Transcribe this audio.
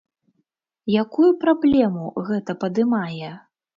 Якую праблему гэта падымае?